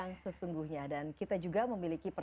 kebelakangan ini kan lagi banyak terorisme